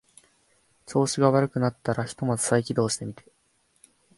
調子が悪くなったらひとまず再起動してみて